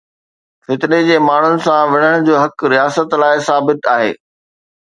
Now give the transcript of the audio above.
فتني جي ماڻهن سان وڙهڻ جو حق رياست لاءِ ثابت آهي.